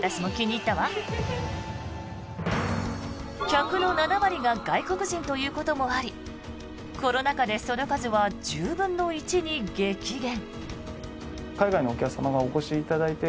客の７割が外国人ということもありコロナ禍でその数は１０分の１に激減。